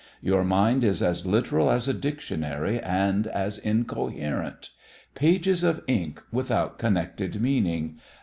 Your mind is as literal as a dictionary and as incoherent. Pages of ink without connected meaning!